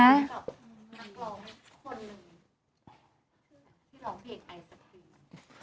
กับมันร้องคน